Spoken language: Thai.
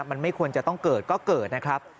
มันไม่ควรจะต้องเกิดก็เกิดนะครับ